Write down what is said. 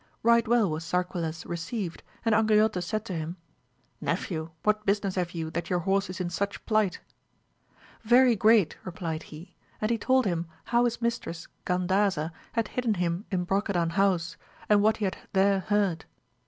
Right well was Sarquiles received, and Angriote said to him. Nephew, what business have you that your horse is in such plight? Very great, replied he, and he told him how his mistress Gandaza had hidden him in Brocadan house, and what he had there heard.